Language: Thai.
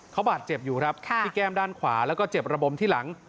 เขาบาดเจ็บอยู่ครับที่แก้มด้านขวาแล้วก็เจ็บระบมที่หลัง